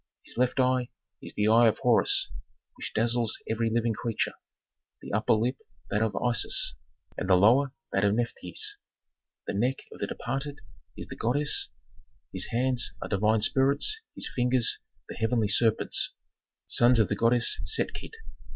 His left eye is the eye of Horus, which dazzles every living creature; the upper lip that of Isis, and the lower that of Nefthys. The neck of the departed is the goddess, his hands are divine spirits, his fingers the heavenly serpents, sons of the goddess Setkit.